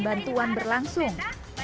dan bantuan berlangsung